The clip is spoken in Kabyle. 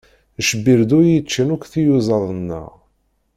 D cebbirdu i yeccan akk tiyuzaḍ-nneɣ.